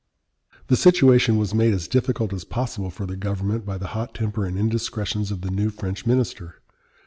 The situation was made as difficult as possible for the government by the hot temper and indiscretions of the new French minister.